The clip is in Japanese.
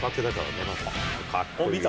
見た？